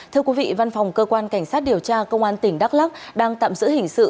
thưa quý vị văn phòng cơ quan cảnh sát điều tra công an tỉnh đắk lắc đang tạm giữ hình sự